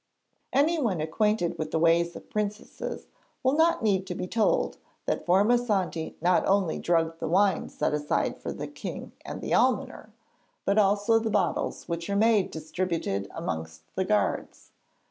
Anyone acquainted with the ways of princesses will not need to be told that Formosante not only drugged the wine set aside for the king and the almoner, but also the bottles which her maid distributed amongst the guards.